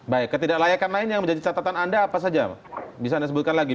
baik ketidaklayakan lain yang menjadi catatan anda apa saja bisa anda sebutkan lagi